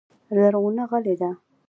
زرغونه غلې ده .